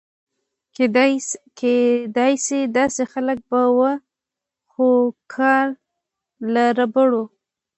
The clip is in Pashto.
کېدای شي داسې خلک به و، خو دا کار له ربړو.